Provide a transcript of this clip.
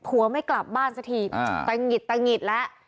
ผัวไม่กลับบ้านสักทีตะหงิดตะหงิดแล้ว